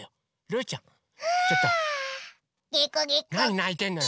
なにないてんのよ。